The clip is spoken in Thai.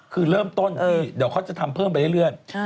คือเริ่มต้นที่เดี๋ยวเขาจะทำเพิ่มไปเรื่อย